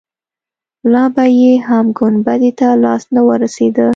لا به يې هم ګنبدې ته لاس نه وررسېده.